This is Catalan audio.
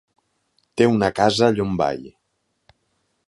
Té una casa a Llombai.